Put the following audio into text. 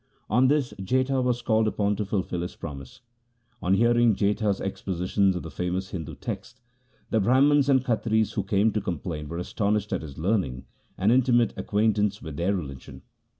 On this Jetha was called upon to fulfil his promise. On hearing Jetha's exposition of the famous Hindu text, the Brahmans and Khatris who came to complain were astonished at his learning and inti mate acquaintance with their religion.